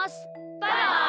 バイバイ！